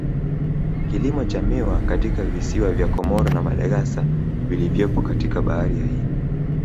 Kilimo cha miwa katika visiwa vya Comoro na Madagascar vilivyopo katika bahari ya Hindi